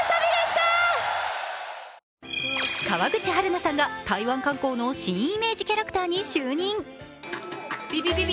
川口春奈さんが台湾観光の新イメージキャラクターに就任。